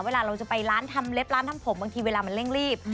เวลาเราจะไปร้านทำเล็บร้านทำผมบางทีเวลามันเร่งรีบ